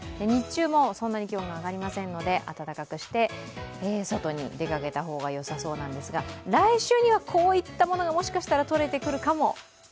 日中もそんなに気温が上がりませんので、暖かくして外に出かけた方がよさそうなんですが来週にはこういったものがもしかしたら取れてくるかも。